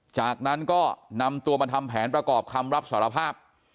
จากนั้นก็นำตัวมาทำแผนประกอบคำรับสารภาพ